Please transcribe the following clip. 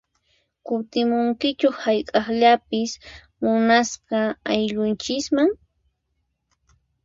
Kutimunkichu hayk'aqllapis munasqa ayllunchisman?